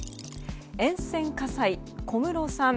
沿線火災、小室さん